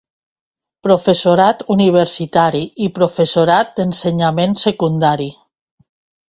Professorat universitari i professorat d'ensenyament secundari.